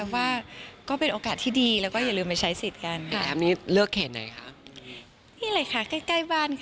ว่าก็เป็นโอกาสที่ดีแล้วก็อย่าลืมไปใช้สิทธิ์กัน